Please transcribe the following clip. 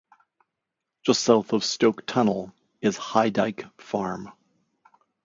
Just south of Stoke Tunnel is Highdyke Farm.